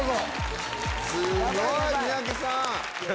すごい！三宅さん。